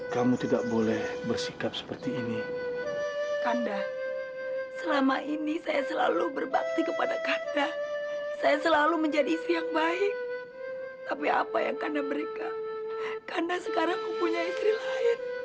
kandang sekarang mempunyai istri lain